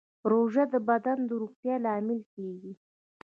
روژه د بدن د روغتیا لامل کېږي.